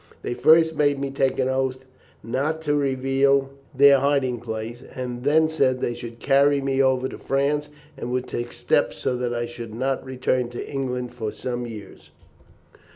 They first made me take an oath not to reveal their hiding place, and then said that they should carry me over to France, and would take steps so that I should not return to England for some years.